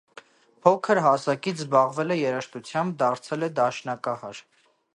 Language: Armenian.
Փոքր հասակից զբաղվել է երաժշտությամբ, դարձել է դաշնակահար։